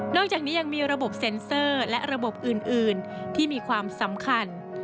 อกจากนี้ยังมีระบบเซ็นเซอร์และระบบอื่นที่มีความสำคัญ